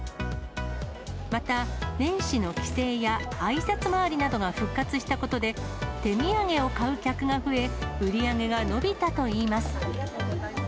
また、年始の帰省やあいさつ回りなどが復活したことで、手土産を買う客が増え、売り上げが伸びたといいます。